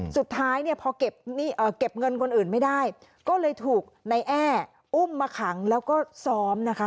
สุดท้ายเนี่ยพอเก็บเงินคนอื่นไม่ได้ก็เลยถูกนายแอ้อุ้มมาขังแล้วก็ซ้อมนะคะ